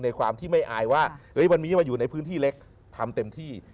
ความที่ไม่อายว่าวันนี้มาอยู่ในพื้นที่เล็กทำเต็มที่